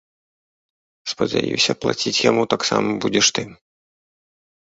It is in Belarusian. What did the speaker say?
Спадзяюся, плаціць яму таксама будзеш ты!